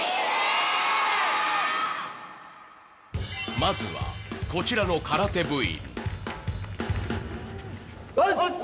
まずはこちらの空手部員。